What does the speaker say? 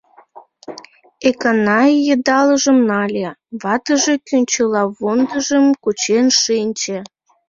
Эканай йыдалжым нале, ватыже кӱнчылавондыжым кучен шинче.